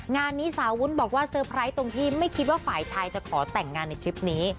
งานนี้สาววุ้นบอกว่าเตอร์ไพรส์ตรงที่ไม่คิดว่าฝ่ายไทยจะขอแต่งงานในทริปนี้